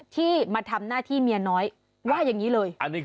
ที่มาทำหน้าที่เมียน้อย